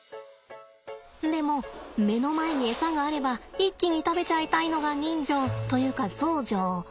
でも目の前にエサがあれば一気に食べちゃいたいのが人情というかゾウ情。